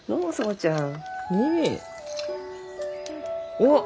おっ！